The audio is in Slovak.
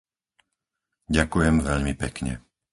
Ďakujem veľmi pekne.